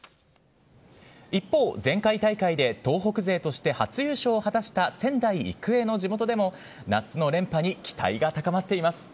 一方、前回大会で東北勢として初優勝を果たした仙台育英の地元でも、夏の連覇に期待が高まっています。